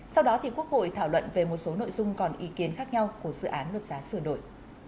sau đó quốc hội thảo luận về một số nội dung còn ý kiến khác nhau của dự án luật giá sửa đổi